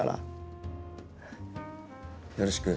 よろしく。